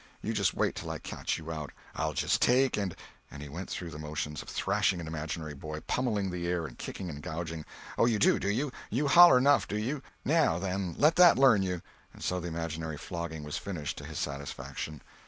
You just wait till I catch you out! I'll just take and—" And he went through the motions of thrashing an imaginary boy—pummelling the air, and kicking and gouging. "Oh, you do, do you? You holler 'nough, do you? Now, then, let that learn you!" And so the imaginary flogging was finished to his satisfaction.